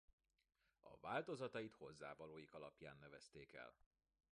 A változatait hozzávalóik alapján nevezték el.